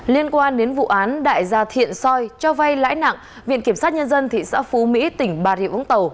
liên quan đến vụ án đại gia thiện soi cho vay lãi nặng viện kiểm sát nhân dân thị xã phú mỹ tỉnh bà rịa vũng tàu